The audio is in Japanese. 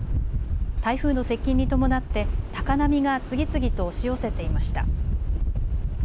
台風の接近に伴って高波が次々と押し寄せていました。